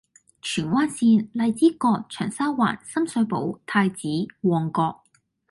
荃灣綫：荔枝角，長沙灣，深水埗，太子，旺角